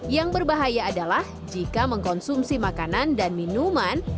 yang berbahaya adalah jika mengkonsumsi makanan dan minuman